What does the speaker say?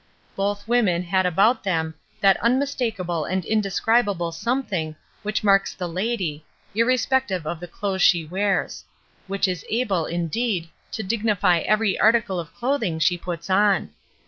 Both women had about them that unmistakable and indescribable something which marks the lady, irrespective of the clothes she wears; which is able, indeed, to dignify every article of clothing she puts on.